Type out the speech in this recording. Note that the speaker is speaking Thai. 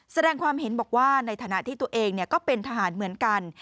แสดงความเห็นบอกว่าในฐานะที่ตัวเองก็เป็นทหารเหมือนกัน